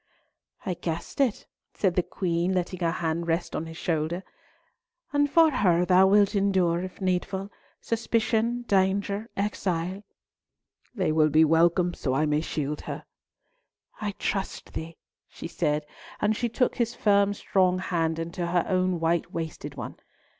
"I guessed it," said the Queen, letting her hand rest on his shoulder. "And for her thou wilt endure, if needful, suspicion, danger, exile?" "They will be welcome, so I may shield her." "I trust thee," she said, and she took his firm strong hand into her own white wasted one.